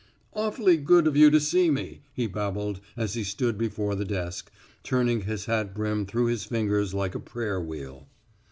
"Awfully good of you to see me," he babbled as he stood before the desk, turning his hat brim through his fingers like a prayer wheel.